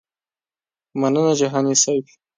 مننه جهاني صیب.